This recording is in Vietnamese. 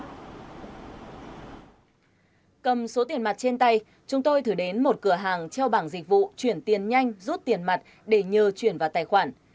cầm số tiền mặt trên tay chúng tôi thử đến một cửa hàng treo bảng dịch vụ chuyển tiền nhanh rút tiền mặt để nhờ chuyển vào tài khoản